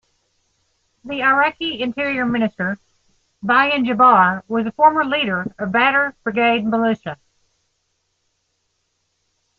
The Iraqi Interior Minister, Bayan Jabr, was a former leader of Badr Brigade militia.